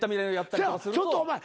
せやちょっとお前